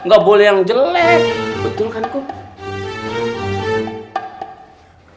gak boleh yang jelek betul kan kuku